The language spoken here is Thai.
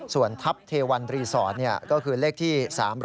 ส่วนทัพเทวันรีสอร์ทก็คือเลขที่๓๐